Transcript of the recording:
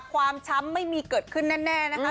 ความช้ำไม่มีเกิดขึ้นแน่นะคะ